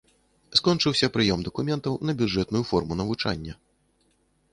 Скончыўся прыём дакументаў на бюджэтную форму навучання.